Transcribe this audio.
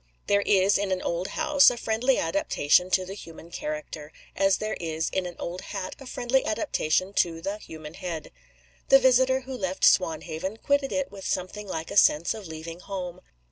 There is in an old house a friendly adaptation to the human character, as there is in an old hat a friendly adaptation to the human head. The visitor who left Swanhaven quitted it with something like a sense of leaving home.